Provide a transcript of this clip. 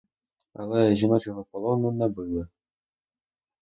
Але жіночого полону не били.